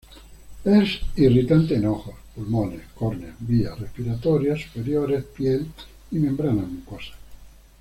Es irritante en ojos, pulmones, córneas, vías respiratorias superiores, piel y membranas mucosas.